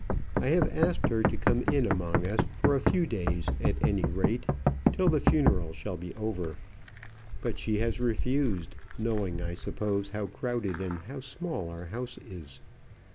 I have asked her to come in among us for a few days at any rate, till the funeral shall be over. But she has refused, knowing, I suppose, how crowded and how small our house is.